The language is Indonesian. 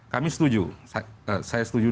kami setuju saya setuju